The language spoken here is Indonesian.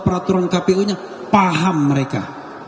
peraturan kpu nya paham mereka